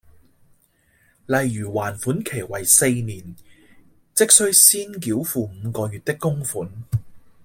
例如還款期為四年，即需先繳付五個月的供款